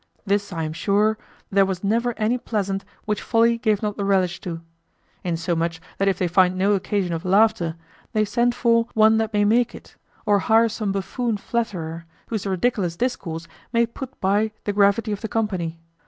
This I am sure, there was never any pleasant which folly gave not the relish to. Insomuch that if they find no occasion of laughter, they send for "one that may make it," or hire some buffoon flatterer, whose ridiculous discourse may put by the gravity of the company.